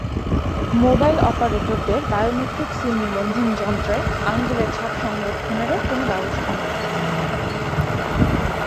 Mobile অপারেটরদের biometric SIM নিবন্ধনযন্ত্রে আঙুলের ছাপ সংরক্ষণেরও কোনো ব্যবস্থা নেই।